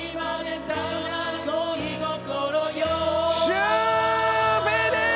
シュペイです！